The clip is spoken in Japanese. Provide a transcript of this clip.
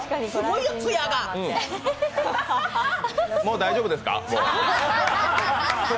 うん、もう大丈夫ですか？